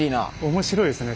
面白いですね。